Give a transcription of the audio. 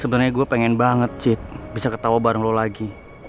sebenarnya gue pengen banget sih bisa ketawa bareng lo lagi